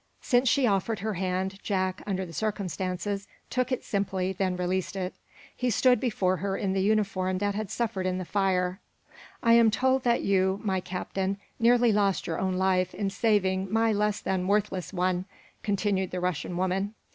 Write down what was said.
Since she offered her hand, Jack, under the circumstances, took it simply, then released it. He stood before her in the uniform that had suffered in the fire. "I am told that you, my Captain, nearly lost your own life in saving my less than worthless one," continued the Russian woman.